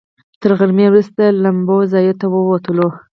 تر غرمې وروسته لمباځیو ته ووتلو.